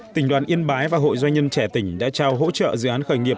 tỉnh đoàn yên bái và hội doanh nhân trẻ tỉnh đã trao hỗ trợ dự án khởi nghiệp